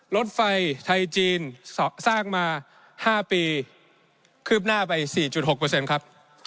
รถไฟไทยจีนสร้างมา๕ปีคืบหน้าไป๔๖ครับ